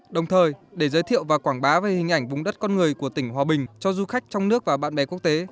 đồng thời để giới thiệu và quảng bá về hình ảnh vùng đất con người của tỉnh hòa bình cho du khách trong nước và bạn bè quốc tế